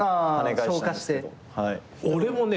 俺もね